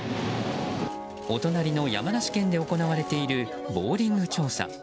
お隣の山梨県で行われているボーリング調査。